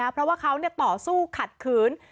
เพราะว่าเขาต่อสู้ขัดขืน